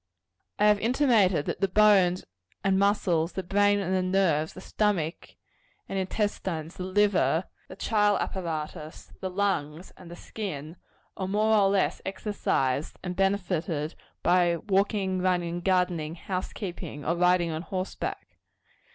I have intimated that the bones and muscles, the brain and nerves, the stomach and intestines, the liver, the chyle apparatus, the lungs, and the skin; are all more or less exercised and benefited by walking, running, gardening, house keeping, or riding on horseback.